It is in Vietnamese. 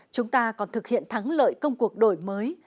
chúng ta còn thực hiện thắng lợi công cuộc đổi mới